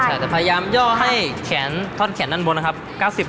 แต่พยายามย่อให้แขนท่อนแขนด้านบนนะครับ